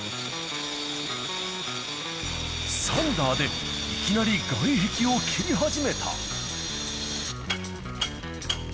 サンダーでいきなり外壁を切り始めた。